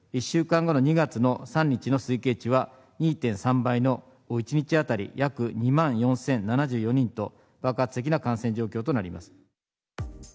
１週間後の２月の３日の推計値は、２．３倍の１日当たり約２万４０７４人と、爆発的な感染状況となります。